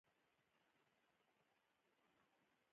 بیا يې وویل: ته باید له باسي، فلیپو او وینسزنا سره سیالي وکړې.